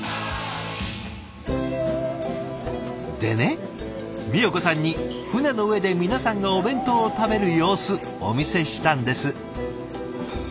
でねみよ子さんに船の上で皆さんのお弁当を食べる様子お見せしたんです。